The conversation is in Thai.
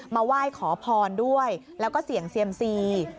มาไหว้ขอพรด้วยแล้วก็เสี่ยงเซียมซี